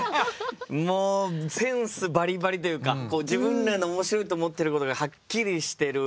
もうセンスバリバリというか自分らの面白いと思ってることがはっきりしてる